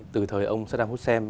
từ thời ông sadar hussein